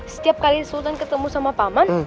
setiap kali sultan ketemu sama paman